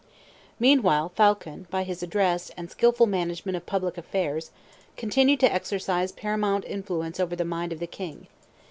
Meanwhile Phaulkon, by his address, and skilful management of public affairs, continued to exercise paramount influence over the mind of the king.